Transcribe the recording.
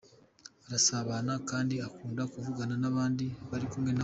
Arasabana kandi agakunda kuvugana n’abandi bari kumwe nawe.